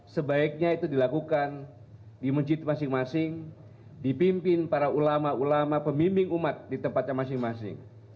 sebaiknya itu dilakukan di masjid masing masing dipimpin para ulama ulama pemimbing umat di tempatnya masing masing